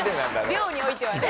量においてはね